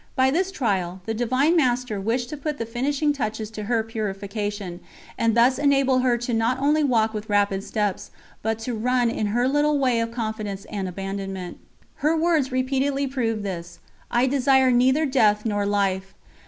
By this trial, the Divine Master wished to put the finishing touches to her purification, and thus enable her not only to walk with rapid steps, but to run in her little way of confidence and abandonment. Her words repeatedly proved this. "I desire neither death nor life.